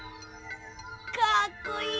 かっこいい！